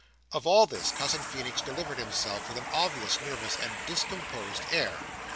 Of all this, Cousin Feenix delivered himself with an obviously nervous and discomposed air.